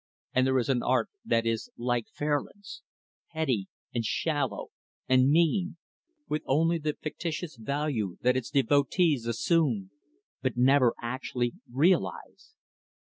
And there is an art that is like Fairlands petty and shallow and mean with only the fictitious value that its devotees assume, but never, actually, realize.